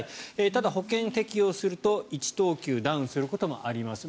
ただ、保険適用すると１等級ダウンすることもあります。